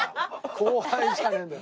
後輩じゃねえんだよ。